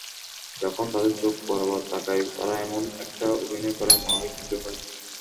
যখন তাদের চোখ বরাবর তাকাই, তারা এমন একটা অভিনয় করে— মনে হয় কিছুই হয়নি।